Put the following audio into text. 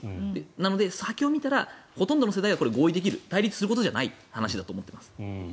なので先を見たらほとんどの世代は合意できる対立する話じゃないと思っています。